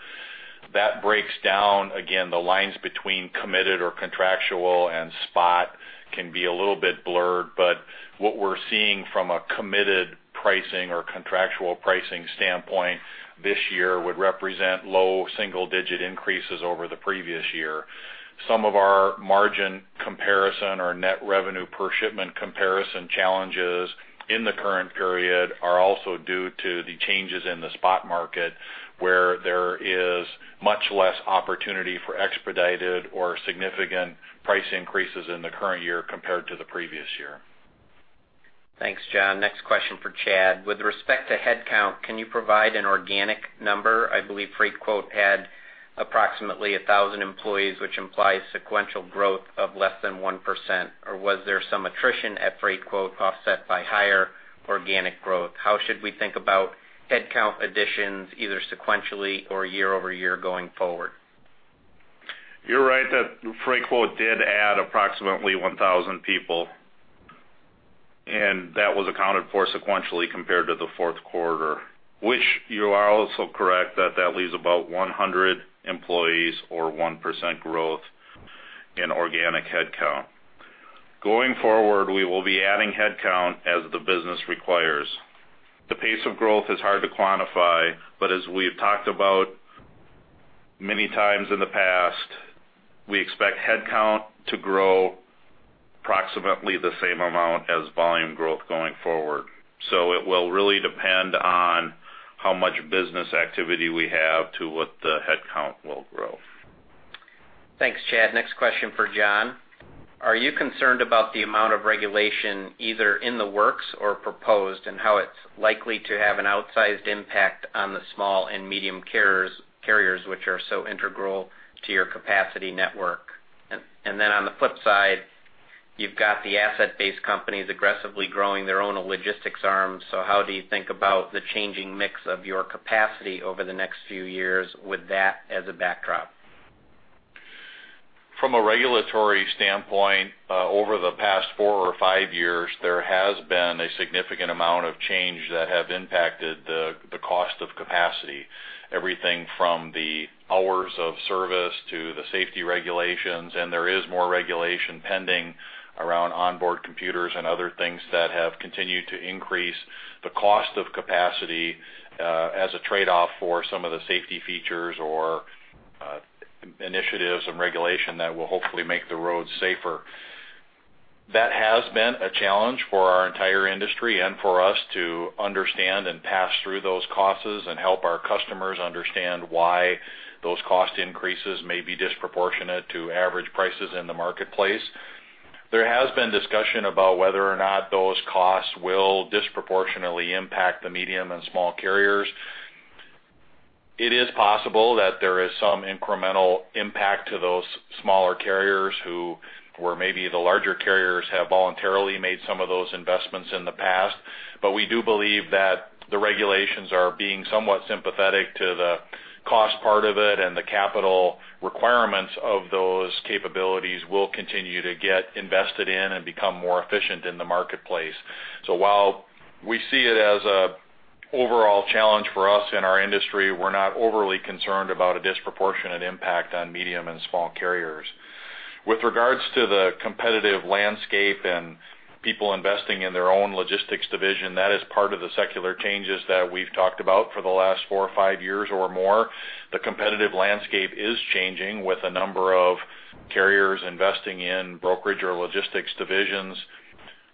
That breaks down, again, the lines between committed or contractual and spot can be a little bit blurred, but what we're seeing from a committed pricing or contractual pricing standpoint this year would represent low single-digit increases over the previous year. Some of our margin comparison or net revenue per shipment comparison challenges in the current period are also due to the changes in the spot market, where there is much less opportunity for expedited or significant price increases in the current year compared to the previous year.
Thanks, John. Next question for Chad. With respect to headcount, can you provide an organic number? I believe Freightquote.com had approximately 1,000 employees, which implies sequential growth of less than 1%, or was there some attrition at Freightquote.com offset by higher organic growth? How should we think about headcount additions, either sequentially or year-over-year going forward?
You're right that Freightquote.com did add approximately 1,000 people, and that was accounted for sequentially compared to the fourth quarter, which you are also correct that leaves about 100 employees or 1% growth in organic headcount. Going forward, we will be adding headcount as the business requires. The pace of growth is hard to quantify, but as we've talked about many times in the past, we expect headcount to grow approximately the same amount as volume growth going forward. It will really depend on how much business activity we have to what the headcount will grow.
Thanks, Chad. Next question for John. Are you concerned about the amount of regulation either in the works or proposed, and how it's likely to have an outsized impact on the small and medium carriers, which are so integral to your capacity network? On the flip side, you've got the asset-based companies aggressively growing their own logistics arms. How do you think about the changing mix of your capacity over the next few years with that as a backdrop?
From a regulatory standpoint, over the past four or five years, there has been a significant amount of change that have impacted the cost of capacity. Everything from the Hours of Service to the safety regulations, and there is more regulation pending around onboard computers and other things that have continued to increase the cost of capacity as a trade-off for some of the safety features or initiatives and regulation that will hopefully make the roads safer. That has been a challenge for our entire industry and for us to understand and pass through those costs and help our customers understand why those cost increases may be disproportionate to average prices in the marketplace. There has been discussion about whether or not those costs will disproportionately impact the medium and small carriers. It is possible that there is some incremental impact to those smaller carriers who, or maybe the larger carriers have voluntarily made some of those investments in the past. We do believe that the regulations are being somewhat sympathetic to the cost part of it, and the capital requirements of those capabilities will continue to get invested in and become more efficient in the marketplace. While we see it as an overall challenge for us in our industry, we're not overly concerned about a disproportionate impact on medium and small carriers. With regards to the competitive landscape and people investing in their own logistics division, that is part of the secular changes that we've talked about for the last four or five years or more. The competitive landscape is changing with a number of carriers investing in brokerage or logistics divisions.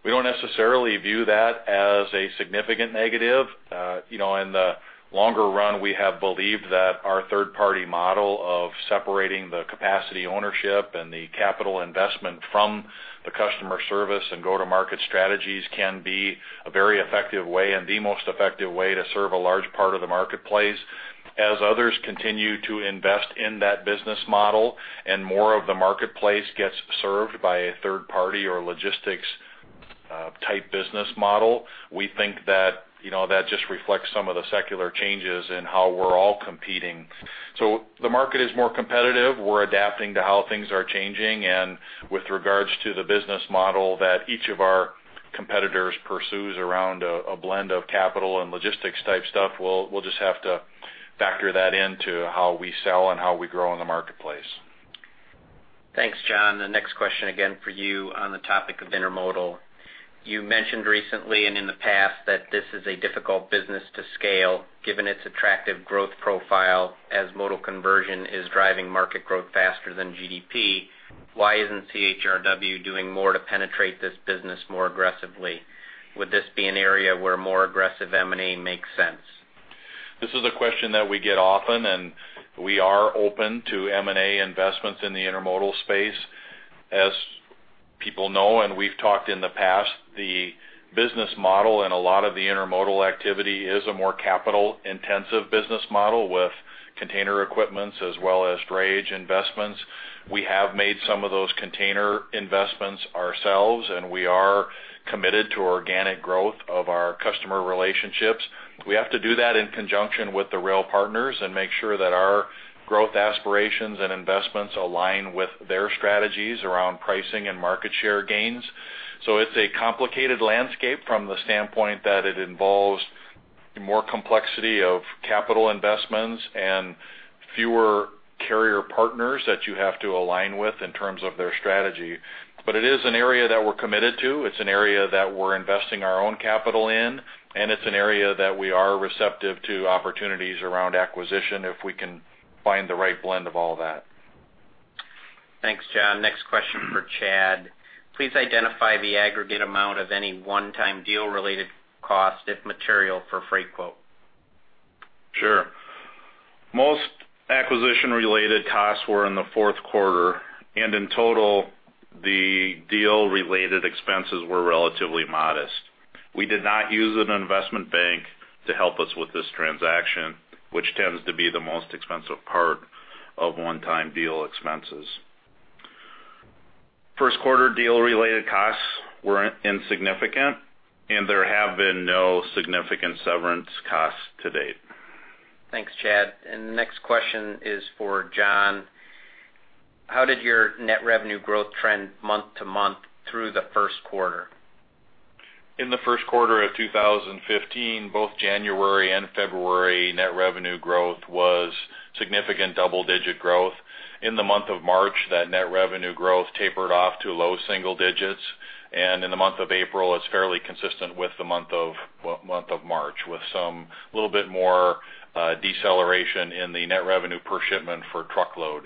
We don't necessarily view that as a significant negative. In the longer run, we have believed that our third-party model of separating the capacity ownership and the capital investment from the customer service and go-to-market strategies can be a very effective way and the most effective way to serve a large part of the marketplace. As others continue to invest in that business model and more of the marketplace gets served by a third party or logistics-type business model, we think that just reflects some of the secular changes in how we're all competing. The market is more competitive. We're adapting to how things are changing and with regards to the business model that each of our
competitors pursues around a blend of capital and logistics type stuff, we'll just have to factor that into how we sell and how we grow in the marketplace.
Thanks, John. The next question, again, for you on the topic of intermodal. You mentioned recently and in the past that this is a difficult business to scale given its attractive growth profile as modal conversion is driving market growth faster than GDP. Why isn't CHRW doing more to penetrate this business more aggressively? Would this be an area where more aggressive M&A makes sense?
This is a question that we get often. We are open to M&A investments in the intermodal space. As people know, and we've talked in the past, the business model and a lot of the intermodal activity is a more capital-intensive business model with container equipments as well as drayage investments. We have made some of those container investments ourselves. We are committed to organic growth of our customer relationships. We have to do that in conjunction with the rail partners and make sure that our growth aspirations and investments align with their strategies around pricing and market share gains. It's a complicated landscape from the standpoint that it involves more complexity of capital investments and fewer carrier partners that you have to align with in terms of their strategy. It is an area that we're committed to, it's an area that we're investing our own capital in, and it's an area that we are receptive to opportunities around acquisition if we can find the right blend of all that.
Thanks, John. Next question for Chad. Please identify the aggregate amount of any one-time deal related cost, if material, for Freightquote.com.
Sure. Most acquisition-related costs were in the fourth quarter, in total, the deal-related expenses were relatively modest. We did not use an investment bank to help us with this transaction, which tends to be the most expensive part of one-time deal expenses. First quarter deal-related costs were insignificant, and there have been no significant severance costs to date.
Thanks, Chad. The next question is for John. How did your net revenue growth trend month-to-month through the first quarter?
In the first quarter of 2015, both January and February, net revenue growth was significant double-digit growth. In the month of March, that net revenue growth tapered off to low single-digits, in the month of April, it's fairly consistent with the month of March, with some little bit more deceleration in the net revenue per shipment for truckload.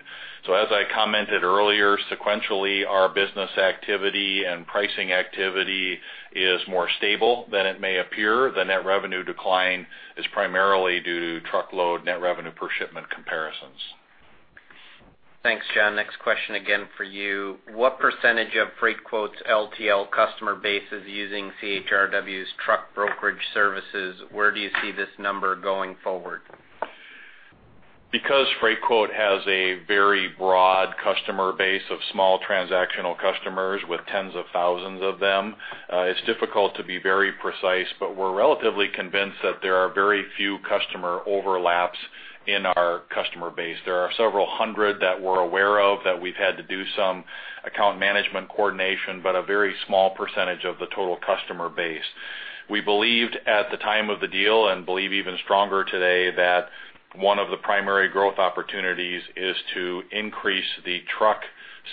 As I commented earlier, sequentially, our business activity and pricing activity is more stable than it may appear. The net revenue decline is primarily due to truckload net revenue per shipment comparisons.
Thanks, John. Next question again for you. What percentage of Freightquote.com's LTL customer base is using CHRW's truck brokerage services? Where do you see this number going forward?
Because Freightquote.com has a very broad customer base of small transactional customers with tens of thousands of them, it's difficult to be very precise, but we're relatively convinced that there are very few customer overlaps in our customer base. There are several hundred that we're aware of that we've had to do some account management coordination, but a very small percentage of the total customer base. We believed at the time of the deal, and believe even stronger today, that one of the primary growth opportunities is to increase the truck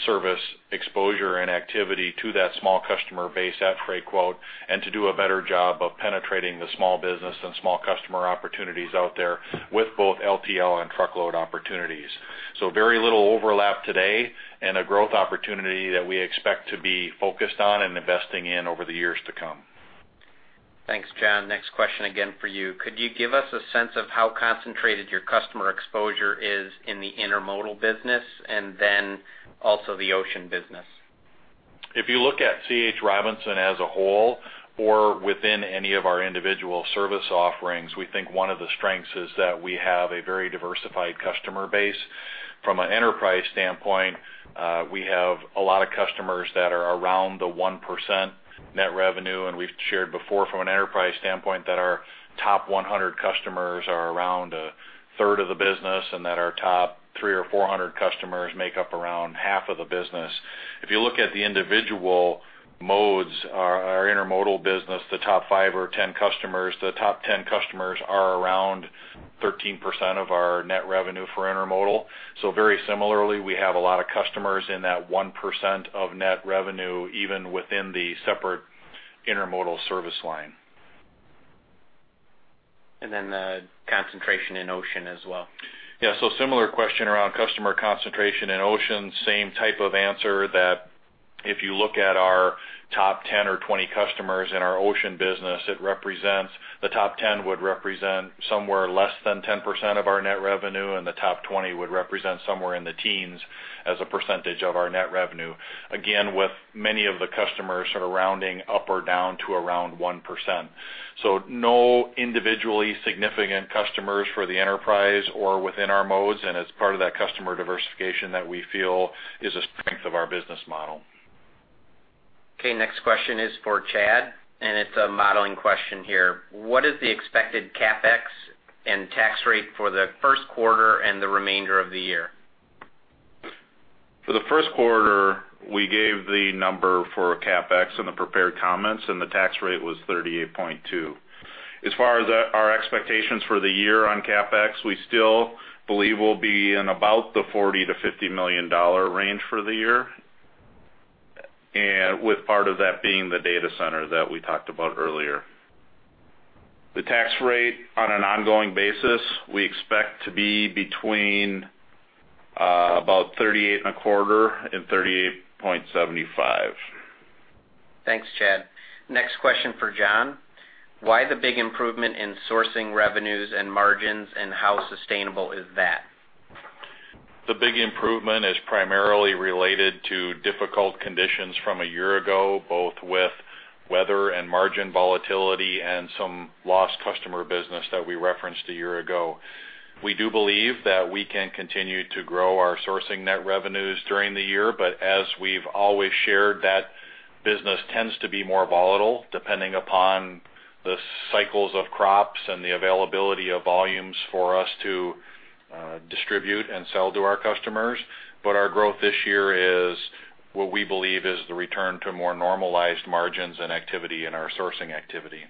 service exposure and activity to that small customer base at Freightquote.com, and to do a better job of penetrating the small business and small customer opportunities out there with both LTL and truckload opportunities. Very little overlap today and a growth opportunity that we expect to be focused on and investing in over the years to come.
Thanks, John. Next question again for you. Could you give us a sense of how concentrated your customer exposure is in the intermodal business and then also the ocean business?
If you look at C.H. Robinson as a whole or within any of our individual service offerings, we think one of the strengths is that we have a very diversified customer base. From an enterprise standpoint, we have a lot of customers that are around the 1% net revenue, and we've shared before from an enterprise standpoint that our top 100 customers are around a third of the business, and that our top 300 or 400 customers make up around half of the business. If you look at the individual modes, our intermodal business, the top five or 10 customers, the top 10 customers are around 13% of our net revenue for intermodal. Very similarly, we have a lot of customers in that 1% of net revenue, even within the separate intermodal service line.
The concentration in ocean as well.
Similar question around customer concentration in ocean. Same type of answer that if you look at our top 10 or 20 customers in our ocean business, the top 10 would represent somewhere less than 10% of our net revenue, and the top 20 would represent somewhere in the teens as a percentage of our net revenue, again, with many of the customers sort of rounding up or down to around 1%. No individually significant customers for the enterprise or within our modes, and it's part of that customer diversification that we feel is a strength of our business model.
Okay, next question is for Chad, and it's a modeling question here. What is the expected CapEx and tax rate for the first quarter and the remainder of the year?
For the first quarter, we gave the number for CapEx in the prepared comments, and the tax rate was 38.2. As far as our expectations for the year on CapEx, we still believe we'll be in about the $40 million-$50 million range for the year. With part of that being the data center that we talked about earlier. The tax rate on an ongoing basis, we expect to be between about 38.25 and 38.75.
Thanks, Chad. Next question for John. Why the big improvement in sourcing revenues and margins, and how sustainable is that?
The big improvement is primarily related to difficult conditions from a year ago, both with weather and margin volatility, and some lost customer business that we referenced a year ago. We do believe that we can continue to grow our sourcing net revenues during the year, as we've always shared, that business tends to be more volatile depending upon the cycles of crops and the availability of volumes for us to distribute and sell to our customers. Our growth this year is what we believe is the return to more normalized margins and activity in our sourcing activity.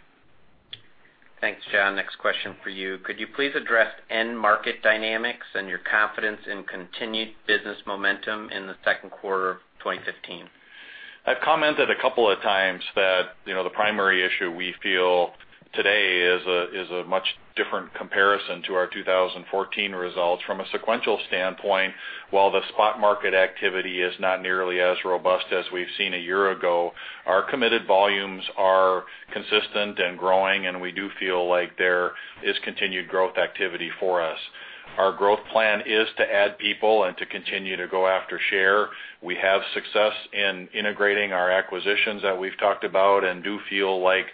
Thanks, John. Next question for you. Could you please address end market dynamics and your confidence in continued business momentum in the second quarter of 2015?
I've commented a couple of times that the primary issue we feel today is a much different comparison to our 2014 results from a sequential standpoint. While the spot market activity is not nearly as robust as we've seen a year ago, our committed volumes are consistent and growing, and we do feel like there is continued growth activity for us. Our growth plan is to add people and to continue to go after share. We have success in integrating our acquisitions that we've talked about and do feel like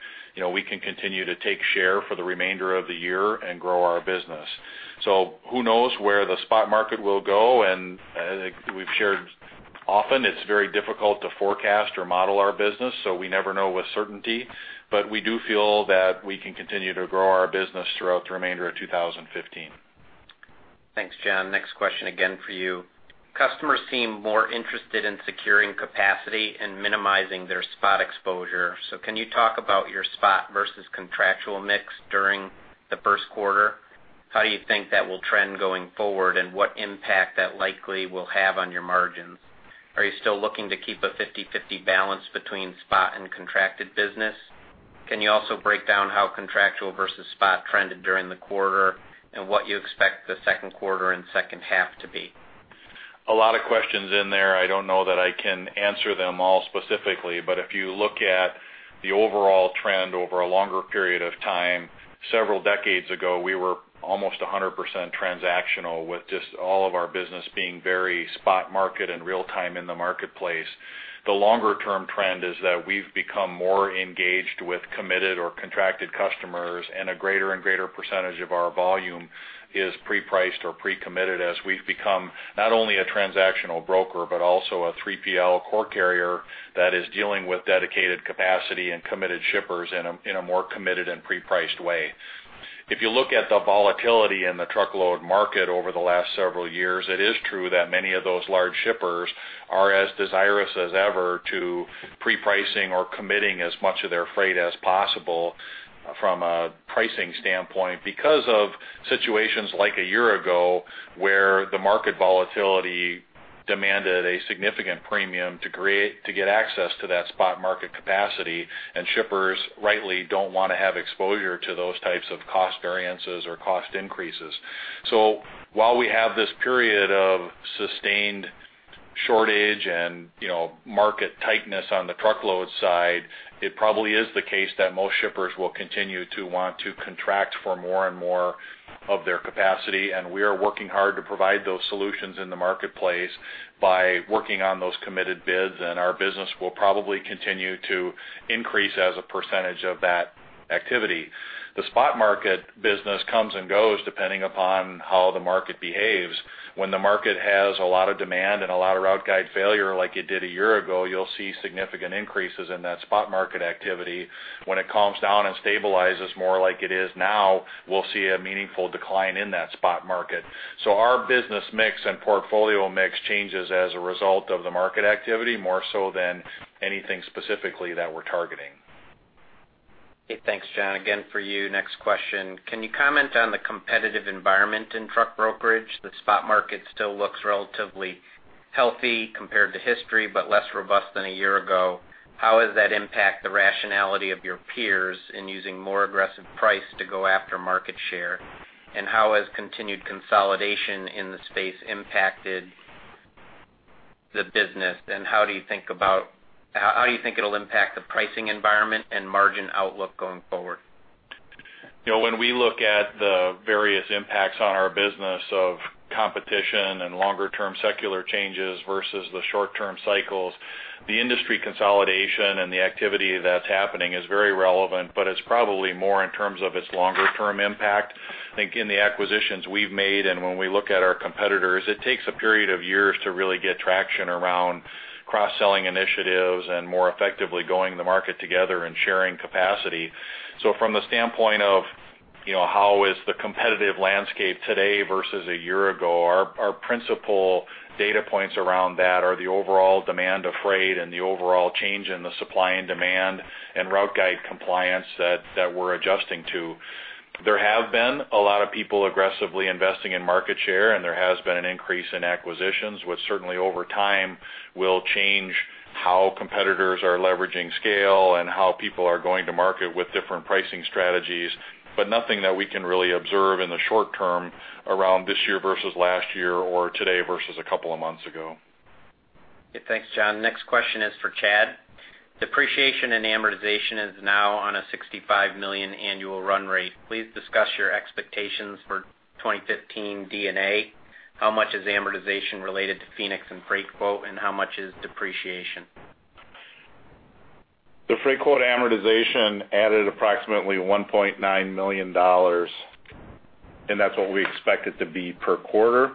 we can continue to take share for the remainder of the year and grow our business. Who knows where the spot market will go, and as we've shared often, it's very difficult to forecast or model our business, so we never know with certainty. We do feel that we can continue to grow our business throughout the remainder of 2015.
Thanks, John. Next question again for you. Customers seem more interested in securing capacity and minimizing their spot exposure. Can you talk about your spot versus contractual mix during the first quarter? How do you think that will trend going forward, and what impact that likely will have on your margins? Are you still looking to keep a 50/50 balance between spot and contracted business? Can you also break down how contractual versus spot trended during the quarter, and what you expect the second quarter and second half to be?
A lot of questions in there. I don't know that I can answer them all specifically. If you look at the overall trend over a longer period of time, several decades ago, we were almost 100% transactional with just all of our business being very spot market and real time in the marketplace. The longer-term trend is that we've become more engaged with committed or contracted customers, and a greater and greater percentage of our volume is pre-priced or pre-committed as we've become not only a transactional broker, but also a 3PL core carrier that is dealing with dedicated capacity and committed shippers in a more committed and pre-priced way. If you look at the volatility in the truckload market over the last several years, it is true that many of those large shippers are as desirous as ever to pre-pricing or committing as much of their freight as possible from a pricing standpoint because of situations like a year ago, where the market volatility demanded a significant premium to get access to that spot market capacity, and shippers rightly don't want to have exposure to those types of cost variances or cost increases. While we have this period of sustained shortage and market tightness on the truckload side, it probably is the case that most shippers will continue to want to contract for more and more of their capacity, and we are working hard to provide those solutions in the marketplace by working on those committed bids, and our business will probably continue to increase as a percentage of that activity. The spot market business comes and goes depending upon how the market behaves. When the market has a lot of demand and a lot of route guide failure like it did a year ago, you'll see significant increases in that spot market activity. When it calms down and stabilizes more like it is now, we'll see a meaningful decline in that spot market. Our business mix and portfolio mix changes as a result of the market activity, more so than anything specifically that we're targeting.
Okay. Thanks, John. Again for you, next question. Can you comment on the competitive environment in truck brokerage? The spot market still looks relatively healthy compared to history, but less robust than a year ago. How has that impacted the rationality of your peers in using more aggressive price to go after market share? How has continued consolidation in the space impacted the business, and how do you think it'll impact the pricing environment and margin outlook going forward?
When we look at the various impacts on our business of competition and longer-term secular changes versus the short-term cycles, the industry consolidation and the activity that's happening is very relevant, but it's probably more in terms of its longer-term impact. I think in the acquisitions we've made and when we look at our competitors, it takes a period of years to really get traction around Cross-selling initiatives and more effectively going to market together and sharing capacity. From the standpoint of how is the competitive landscape today versus a year ago, our principal data points around that are the overall demand of freight and the overall change in the supply and demand and route guide compliance that we're adjusting to. There have been a lot of people aggressively investing in market share, and there has been an increase in acquisitions, which certainly over time will change how competitors are leveraging scale and how people are going to market with different pricing strategies. Nothing that we can really observe in the short-term around this year versus last year, or today versus a couple of months ago.
Okay. Thanks, John. Next question is for Chad. Depreciation and amortization is now on a $65 million annual run rate. Please discuss your expectations for 2015 D&A. How much is amortization related to Phoenix and Freightquote, and how much is depreciation?
The Freightquote amortization added approximately $1.9 million, and that's what we expect it to be per quarter.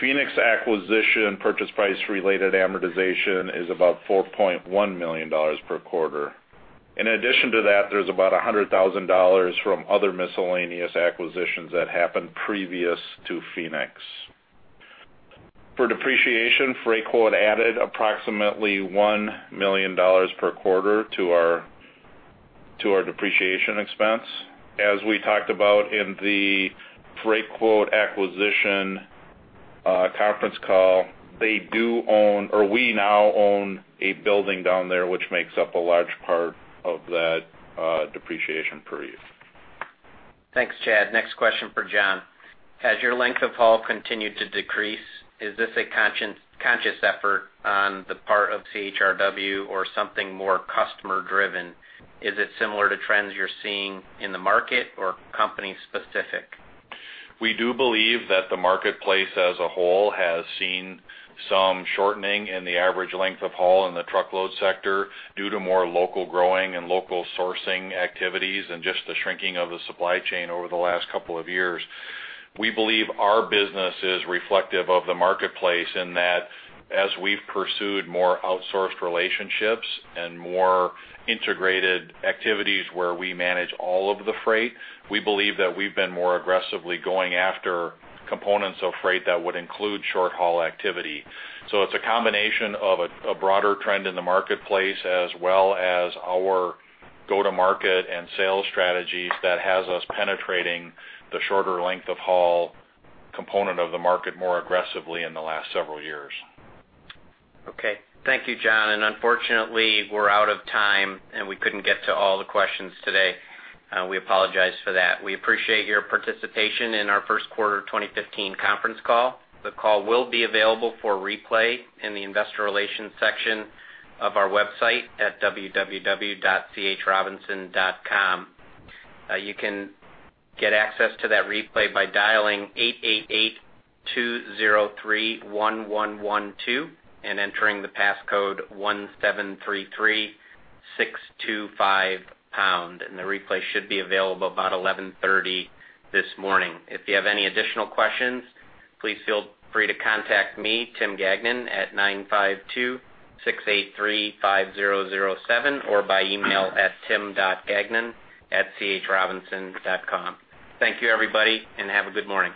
Phoenix acquisition purchase price-related amortization is about $4.1 million per quarter. In addition to that, there's about $100,000 from other miscellaneous acquisitions that happened previous to Phoenix. For depreciation, Freightquote added approximately $1 million per quarter to our depreciation expense. As we talked about in the Freightquote acquisition conference call, we now own a building down there, which makes up a large part of that depreciation for you.
Thanks, Chad. Next question for John. Has your length of haul continued to decrease? Is this a conscious effort on the part of CHRW or something more customer driven? Is it similar to trends you're seeing in the market or company specific?
We do believe that the marketplace as a whole has seen some shortening in the average length of haul in the truckload sector due to more local growing and local sourcing activities and just the shrinking of the supply chain over the last couple of years. We believe our business is reflective of the marketplace in that as we've pursued more outsourced relationships and more integrated activities where we manage all of the freight, we believe that we've been more aggressively going after components of freight that would include short-haul activity. It's a combination of a broader trend in the marketplace, as well as our go-to-market and sales strategies that has us penetrating the shorter length of haul component of the market more aggressively in the last several years.
Okay. Thank you, John. Unfortunately, we're out of time, and we couldn't get to all the questions today. We apologize for that. We appreciate your participation in our first quarter 2015 conference call. The call will be available for replay in the investor relations section of our website at www.chrobinson.com. You can get access to that replay by dialing 888-203-1112 and entering the passcode 1733625#. The replay should be available about 11:30 A.M. this morning. If you have any additional questions, please feel free to contact me, Tim Gagnon, at 952-683-5007 or by email at tim.gagnon@chrobinson.com. Thank you, everybody, and have a good morning.